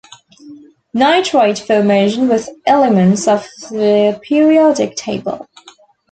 Nitrate formation with elements of the periodic table.